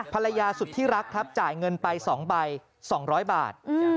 ภรรยาสุดที่รักครับจ่ายเงินไป๒ใบ๒๐๐บาท